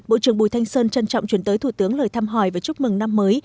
bộ trưởng bùi thanh sơn trân trọng chuyển tới thủ tướng lời thăm hỏi và chúc mừng năm mới